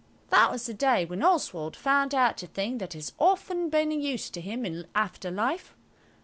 That was the day when Oswald found out a thing that has often been of use to him in after life.